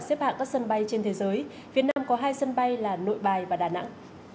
xếp hạng các sân bay trên thế giới phía nam có hai sân bay là nội bài và đà nẵng